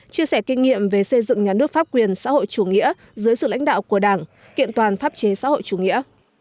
chia sẻ kinh nghiệm về xây dựng nhà nước pháp quyền xã hội chủ nghĩa dưới sự lãnh đạo của đảng kiện toàn pháp chế xã hội chủ nghĩa